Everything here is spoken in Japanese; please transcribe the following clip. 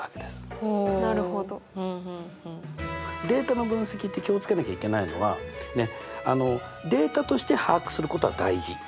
データの分析って気を付けなきゃいけないのはデータとして把握することは大事。